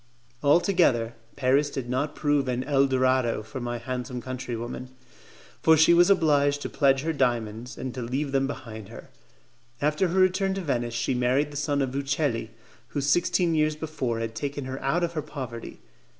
Altogether, Paris did not prove an 'el dorado' for my handsome countrywoman, for she was obliged to pledge her diamonds, and to leave them behind her. After her return to Venice she married the son of the Uccelli, who sixteen years before had taken her out of her poverty.